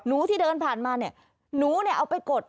ที่เดินผ่านมาเนี่ยหนูเนี่ยเอาไปกด